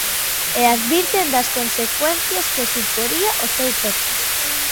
E advirten das consecuencias que suporía o seu peche.